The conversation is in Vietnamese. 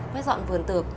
phát dọn vườn tược